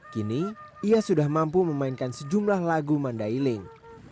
kini ia sudah mampu memainkan sejumlah lagu mandailing